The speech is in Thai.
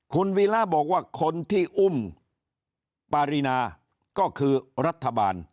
คุณวีระบอกว่าคนที่อุ้มปารีนาก็คือรัฐบาล